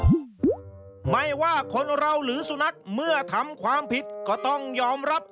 โอ้โหไม่ว่าคนเราหรือสุนัขเมื่อทำความผิดก็ต้องยอมรับ